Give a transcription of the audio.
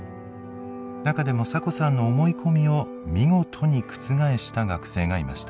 中でもサコさんの思い込みを見事に覆した学生がいました。